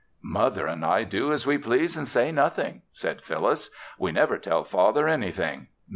"Mother and I do as we please and say nothing," said Phyllis. "We never tell father anything.